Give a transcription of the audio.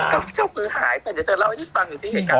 ก็เจ้ามือหายแต่เดี๋ยวจะเล่าให้ที่ฟังอยู่ที่